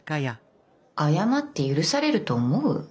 謝って許されると思う？